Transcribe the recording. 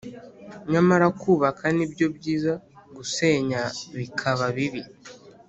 nyamara kubaka ni byo byiza gusenya bikaba bibi